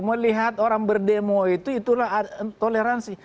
melihat orang berdemo itu itulah toleransi